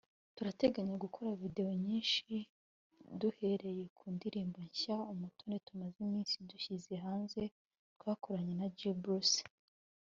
turateganya gukora video nyinshi duhereye ku ndirimbo nshya 'Umutoni' tumaze iminsi dushyize hanze twakoranye na G Bruce